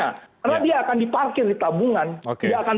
karena dia akan diparkir di tabungan